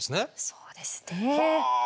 そうですね。はあ。